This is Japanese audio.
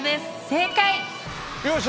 正解！